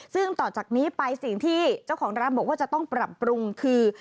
ซึ่งต่อจากนี้ไปสิ่งที่เจ้าของร้านบอกว่าจะต้องปรับปรุงคือ